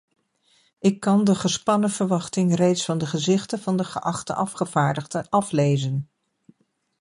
Ik kan de gespannen verwachting reeds van de gezichten van de geachte afgevaardigden aflezen!